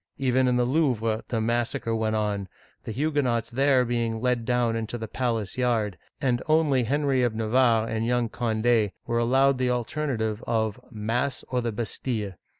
Even in the Louvre, the massacre went on, the Huguenots there being led down into the palace yard, and only Henry of Navarre and young Cond6 were allowed the alternative of Mass or the Bastille